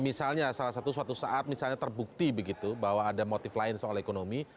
misalnya salah satu suatu saat misalnya terbukti begitu bahwa ada motif lain soal ekonomi